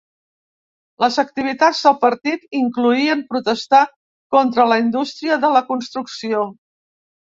Les activitats del partit incloïen protestar contra la indústria de la construcció.